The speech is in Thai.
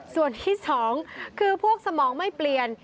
ส่วนที่๒คือพวกสมองไม่เปลี่ยน